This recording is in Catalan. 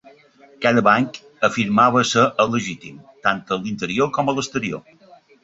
Cada banc afirmava ser el legítim, tant en l'interior com en l'exterior.